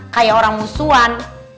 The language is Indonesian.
kayak orang musuhan